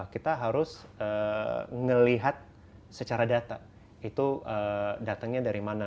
kita harus melihat secara data itu datangnya dari mana